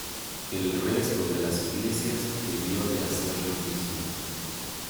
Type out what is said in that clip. El resto de las iglesias debió de hacer lo mismo.